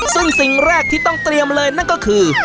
ซึ่งสิ่งแรกที่ต้องเตรียมเลยนั่นก็คือ